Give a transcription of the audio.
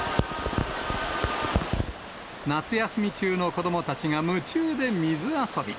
夏休み中の子どもたちが夢中で水遊び。